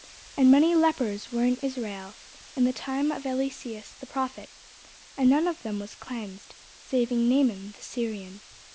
And many lepers were in Israel in the time of Eliseus the prophet; and none of them was cleansed, saving Naaman the Syrian.